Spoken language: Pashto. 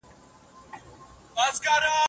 وڅڅوي اوښکي اور تر تلي کړي